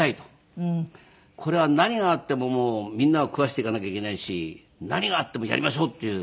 これは何があってももうみんなを食わせていかなきゃいけないし何があってもやりましょうっていう。